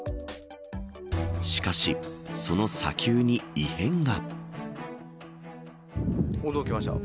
しかしその砂丘に異変が。